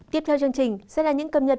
tiếp theo chương trình sẽ là những cập nhật